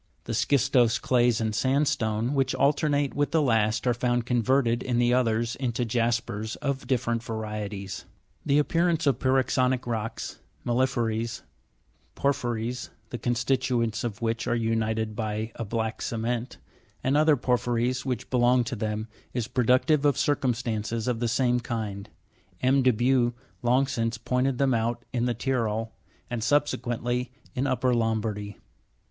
The schistose clays and sandstone, which alternate with the last, are found converted in the others into jaspers of different varieties. The appearance of pyroxenic rocks, mela'phyries (porphyries, the con stituents of which are united by a black cement), and other porphyries which belong to them, is productive of circumstances of the same kind ; M. de Buch long since pointed them out in the Tyrol, and subsequently in upper Lombardy.